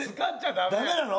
ダメなの？